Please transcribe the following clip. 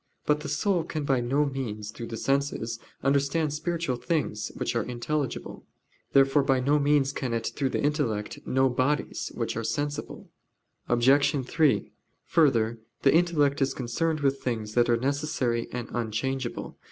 But the soul can by no means, through the senses, understand spiritual things, which are intelligible. Therefore by no means can it, through the intellect, know bodies, which are sensible. Obj. 3: Further, the intellect is concerned with things that are necessary and unchangeable.